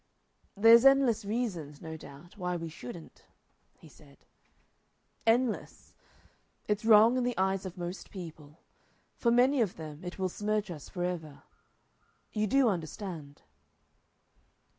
"There's endless reasons, no doubt, why we shouldn't," he said. "Endless. It's wrong in the eyes of most people. For many of them it will smirch us forever.... You DO understand?"